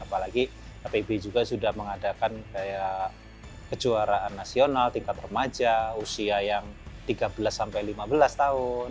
apalagi pb juga sudah mengadakan kayak kejuaraan nasional tingkat remaja usia yang tiga belas sampai lima belas tahun